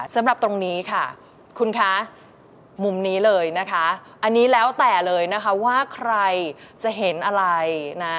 สำหรับตรงนี้ค่ะคุณคะมุมนี้เลยนะคะอันนี้แล้วแต่เลยนะคะว่าใครจะเห็นอะไรนะ